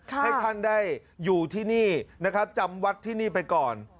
ให้ท่านได้อยู่ที่นี่นะครับจำวัดที่นี่ไปก่อน